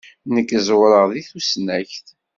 Nekk ẓewreɣ deg tusnakt.